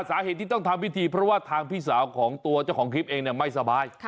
สาเหตุที่ต้องทำพิธีเพราะว่าทางพี่สาวของตัวเจ้าของคลิปเองไม่สบาย